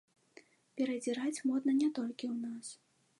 Перадзіраць модна не толькі ў нас.